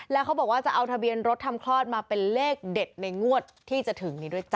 แล้วเขาบอกว่าจะเอาทะเบียนรถทำคลอดมาเป็นเลขเด็ดในงวดที่จะถึงนี้ด้วยจ้